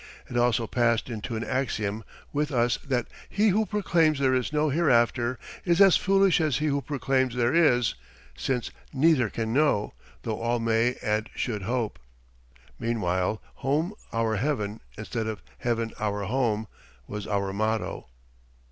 It also passed into an axiom with us that he who proclaims there is no hereafter is as foolish as he who proclaims there is, since neither can know, though all may and should hope. Meanwhile "Home our heaven" instead of "Heaven our home" was our motto.